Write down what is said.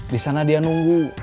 di sana dia nunggu